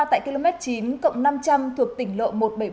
tại km chín năm trăm linh thuộc tỉnh lộ một trăm bảy mươi bốn